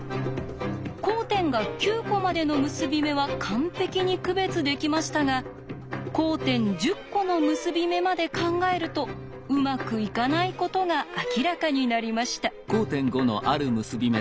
交点が９コまでの結び目は完璧に区別できましたが交点１０コの結び目まで考えるとうまくいかないことが明らかになりました。